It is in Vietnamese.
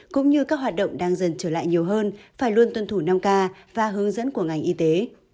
cũng như các hoạt động đang dần trở lại nhiều hơn phải luôn tuân thủ năm k và hướng dẫn của ngành y tế